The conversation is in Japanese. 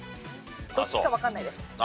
どっちかわかんないです。